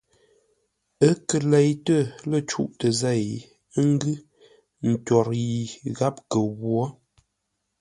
Ə́ kə́ leitə́ lə́ cûʼtə zêi ə́ ńgʉ́ ntwor yi gháp kə ghwo.